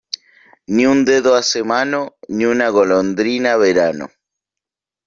Ni un dedo hace mano, ni una golondrina verano.